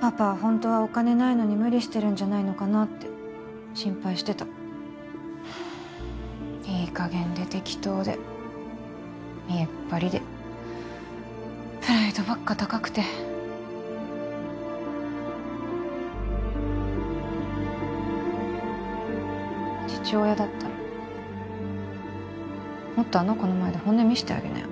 パパはホントはお金ないのに無理してるんじゃないのかなって心配してたいい加減で適当で見えっ張りでプライドばっか高くて父親だったらもっとあの子の前で本音見せてあげなよ